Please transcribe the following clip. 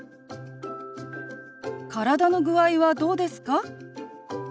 「体の具合はどうですか？」。